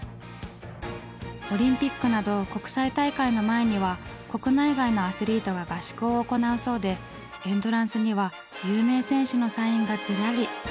オリンピックなど国際大会の前には国内外のアスリートが合宿を行うそうでエントランスには有名選手のサインがずらり。